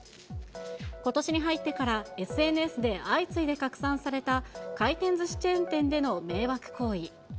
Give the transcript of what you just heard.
ことしに入ってからＳＮＳで相次いで拡散された、回転ずしチェーン店での迷惑行為。